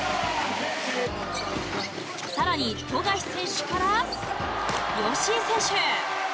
更に、富樫選手から吉井選手。